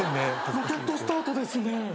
ロケットスタートですね。